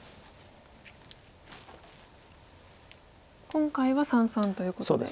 今回は三々ということで。